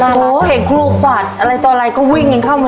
โถเห็นครูฝาดอะไรต่อไรก็วิ่งกันเข้ามาเลย